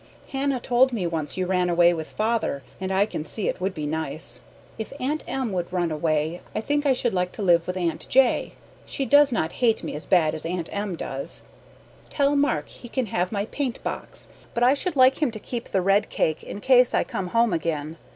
Hannah told me once you ran away with father and I can see it would be nice. If Aunt M. would run away I think I should like to live with Aunt J. She does not hate me as bad as Aunt M. does. Tell Mark he can have my paint box, but I should like him to keep the red cake in case I come home again.